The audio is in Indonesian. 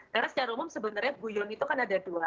karena secara umum sebenarnya goyong itu kan ada dua